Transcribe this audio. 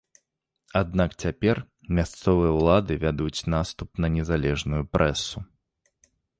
Аднак цяпер мясцовыя ўлады вядуць наступ на незалежную прэсу.